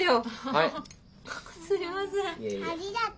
ありがとう。